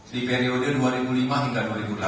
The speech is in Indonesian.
di periode dua ribu lima hingga dua ribu delapan belas